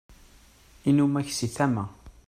inumak si tama